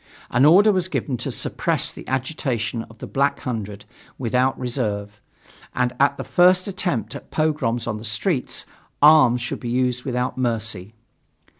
An order was given to suppress the agitation of the Black Hundred without reserve, and at the first attempts at pogroms on the streets, arms should be used without mercy.